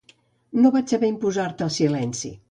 No vaig saber imposar-te silenci.